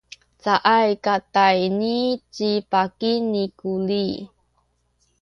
caay katayni ci baki ni Kuli.